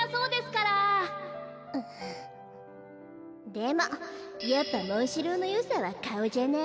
でもやっぱモンシローのよさはかおじゃない？